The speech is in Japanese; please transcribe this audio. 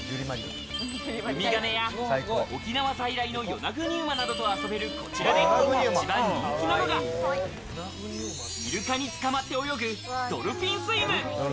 ウミガメや沖縄在来の与那国馬などと遊べるこちらで一番人気なのが、イルカにつかまって泳ぐドルフィンスイム。